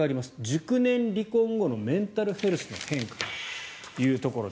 熟年離婚後のメンタルヘルスの変化というところ。